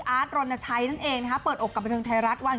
อาร์ทค์ออนาชัย